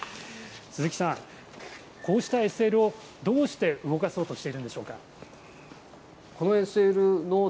鈴木さん、こうしたＳＬをどうして動かそうとしているんでしょうか。